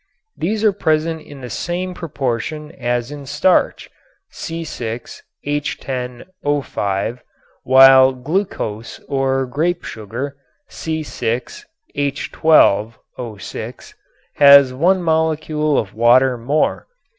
These are present in the same proportion as in starch (C_H_O_), while glucose or grape sugar (C_H_O_) has one molecule of water more.